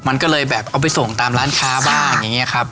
มันก็เลยแบบเอาไปส่งตามร้านค้าบ้างอย่างนี้ครับ